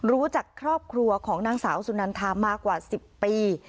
รู้จักครอบครัวของนางสาวสุนันทามากกว่า๑๐ปี